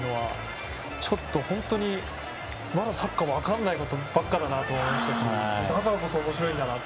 ちょっとまだサッカー分からないことばっかりだなと思いましたしだからこそおもしろいんだなと。